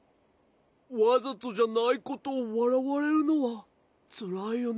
わざとじゃないことをわらわれるのはつらいよね。